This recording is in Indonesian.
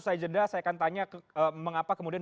saya akan tanya mengapa kemudian